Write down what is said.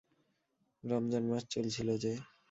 রমজান মাস চলছিল যে।